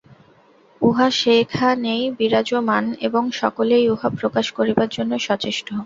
উহা সেখানেই বিরাজমান, এবং সকলেই উহা প্রকাশ করিবার জন্য সচেষ্ট।